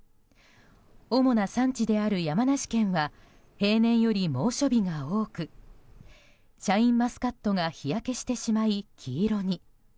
主な産地である山梨県は平年より猛暑日が多くシャインマスカットが日焼けしてしまい黄色に。